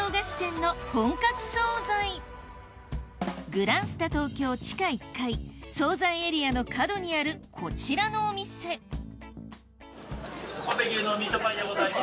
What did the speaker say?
グランスタ東京地下１階総菜エリアの角にあるこちらのお店でございます。